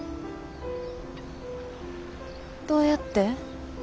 どうやって？